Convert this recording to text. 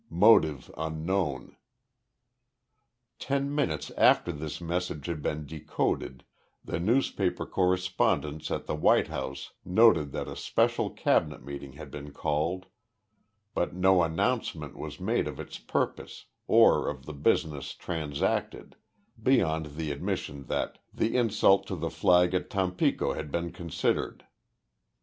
Motive unknown. Ten minutes after this message had been decoded the newspaper correspondents at the White House noted that a special Cabinet meeting had been called, but no announcement was made of its purpose or of the business transacted, beyond the admission that "the insult to the flag at Tampico had been considered."